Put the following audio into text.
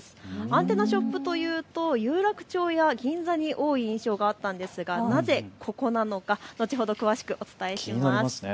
アンテナショップというと有楽町や銀座に多い印象があったんですが、なぜここなのか後ほど詳しくお伝えします。